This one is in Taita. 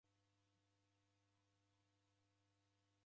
Kughoragha w'ada w'ei?